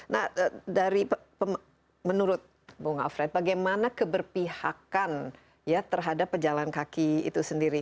nah dari menurut bung alfred bagaimana keberpihakan ya terhadap pejalan kaki itu sendiri